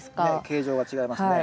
形状が違いますね。